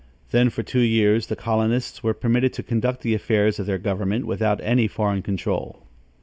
Then, for two years, the colonists were permitted to conduct the affairs of their government without any foreign control.